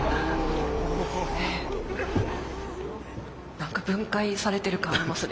何か分解されてる感ありますね。